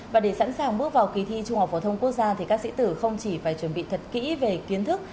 và để sẵn sàng bước vào kỳ thi trung học phổ thông quốc gia thì các sĩ tử không chỉ phải chuẩn bị thật kỹ về kiến thức